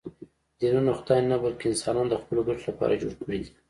دینونه خدای نه، بلکې انسانانو د خپلو ګټو لپاره جوړ کړي دي